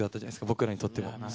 僕らにとっての。